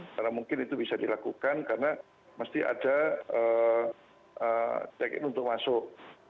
karena mungkin itu bisa dilakukan karena mesti ada tag in untuk masuk